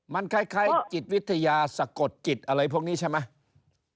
มันคล้ายจิตวิทยาสะกดจิตอะไรพวกนี้ใช่ไหม